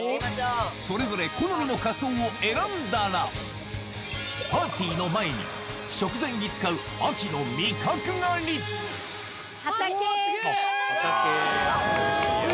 それぞれ好みの仮装を選んだらパーティーの前に食材に使う秋畑です。